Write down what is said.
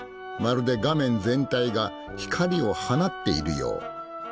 まるで画面全体が光を放っているよう。